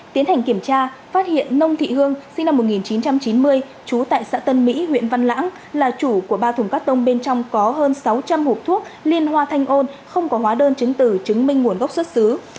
tiến hành kiểm tra phát hiện nông thị hương sinh năm một nghìn chín trăm chín mươi chú tại xã tân mỹ huyện văn lãng là chủ của ba thùng cắt tông bên trong có hơn sáu trăm linh hộp thuốc liên hoa thanh ôn không có hóa đơn chứng tử chứng minh nguồn gốc xuất xứ